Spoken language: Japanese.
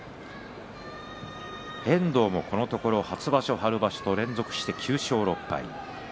遠藤も、このところ初場所春場所と連続して９勝６敗。